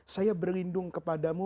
saya berlindung kepada mu